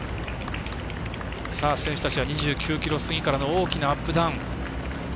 選手たちは２９ｋｍ過ぎからの大きなアップダウン。